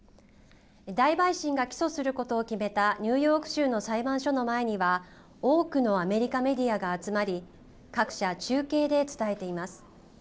大陪審が起訴することを決めたニューヨーク州の裁判所の前には多くのアメリカメディアが集まり各社、中継で伝えています。